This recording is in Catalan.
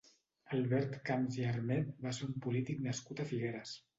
Albert Camps i Armet va ser un polític nascut a Figueres.